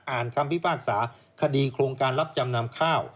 คำพิพากษาคดีโครงการรับจำนำข้าว